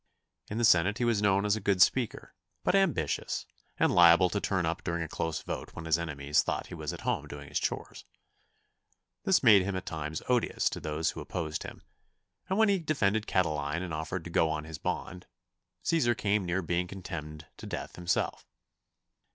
In the Senate he was known as a good Speaker, but ambitious, and liable to turn up during a close vote when his enemies thought he was at home doing his chores. This made him at times odious to those who opposed him, and when he defended Cataline and offered to go on his bond, Cæsar came near being condemned to death himself.